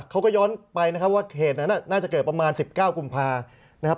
เขาก็ย้อนไปนะครับว่าเหตุนั้นน่าจะเกิดประมาณ๑๙กุมภานะครับ